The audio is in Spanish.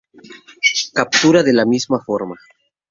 Captura de la misma forma.